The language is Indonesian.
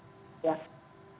jadi kalau bisa memang